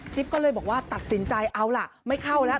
ก็เลยบอกว่าตัดสินใจเอาล่ะไม่เข้าแล้ว